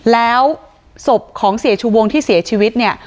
แล้วศพของเสียชูวงที่เสียชีวิตเนี่ย